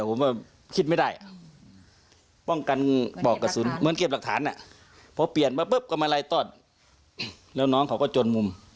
ผมคิดไม่ได้อืมป้องกัน